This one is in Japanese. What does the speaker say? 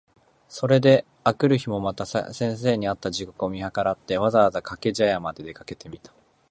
それで翌日（あくるひ）もまた先生に会った時刻を見計らって、わざわざ掛茶屋（かけぢゃや）まで出かけてみた。